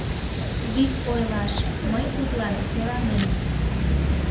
Вик ойлаш — мый тудлан кӧранем.